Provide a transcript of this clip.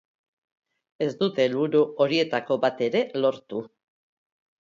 Ez dute helburu horietako bat ere lortu.